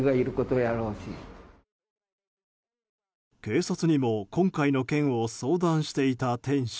警察にも今回の件を相談していた店主。